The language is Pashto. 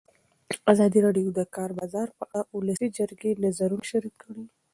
ازادي راډیو د د کار بازار په اړه د ولسي جرګې نظرونه شریک کړي.